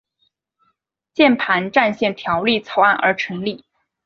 键盘战线条例草案而成立。